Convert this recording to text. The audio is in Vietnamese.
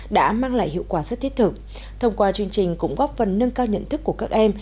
đã mang lại hiệu quả rất thiết thực thông qua chương trình cũng góp phần nâng cao nhận thức của các em